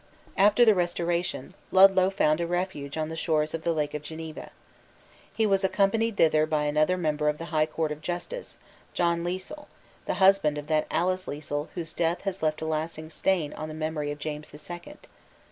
After the Restoration, Ludlow found a refuge on the shores of the Lake of Geneva. He was accompanied thither by another member of the High Court of Justice, John Lisle, the husband of that Alice Lisle whose death has left a lasting stain on the memory of James the Second.